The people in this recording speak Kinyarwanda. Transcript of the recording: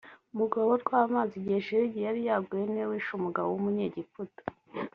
mu rwobo rw amazi igihe shelegi yari yaguye ni we wishe umugabo w umunyegiputa